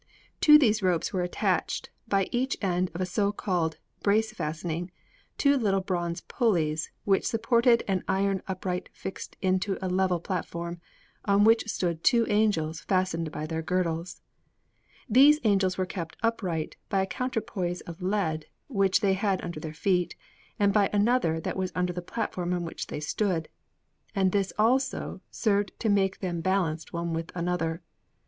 To these ropes were attached, by each end of a so called brace fastening, two little bronze pulleys which supported an iron upright fixed into a level platform, on which stood two angels fastened by their girdles. These angels were kept upright by a counterpoise of lead which they had under their feet, and by another that was under the platform on which they stood; and this also served to make them balanced one with another.